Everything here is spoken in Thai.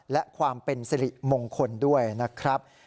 และความเป็นสิริมงคลด้วยนะครับ